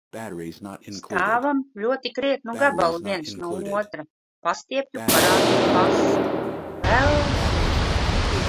Stāvam ļoti krietnu gabalu viens no otra, pastiepju parādīt pasi. Vells!